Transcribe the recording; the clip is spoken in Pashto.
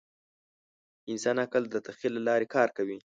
د انسان عقل د تخیل له لارې کار کوي.